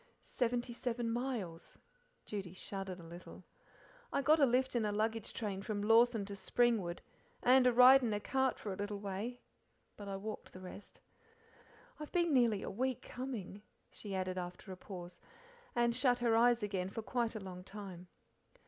"Seventy seven miles." Judy shuddered a little. "I got a lift in a luggage train from Lawson to Springwood, and a ride in a cart for a little way, but I walked the rest. I've been nearly a week coming," she added after a pause, and shut her eyes again for quite a long time.